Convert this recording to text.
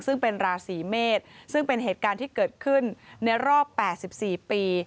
ซึ่งเป็นราศีเมษซึ่งเป็นเหตุการณ์ที่เกิดขึ้นในรอบ๘๔ปี